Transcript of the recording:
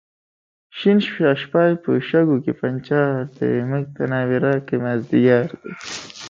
شین ششپای په شګو کې پنچر دی، موږ ته ناوې راکئ مازدیګر دی